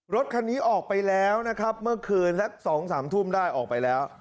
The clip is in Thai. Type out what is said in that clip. รถคันนี้ออกไปแล้วนะครับเมื่อคืนสัก๒๓ทุ่มได้ออกไปแล้ว